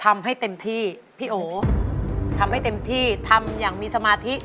ทำให้เต็มที่พี่โอทำให้เต็มที่ทำอย่างมีสมาธิ